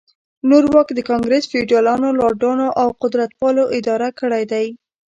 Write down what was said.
نور واک د ګانګرس فیوډالانو، لارډانو او قدرتپالو اداره کړی دی.